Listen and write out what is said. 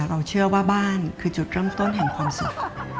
เราเชื่อว่าบ้านคือจุดเริ่มต้นแห่งความสุข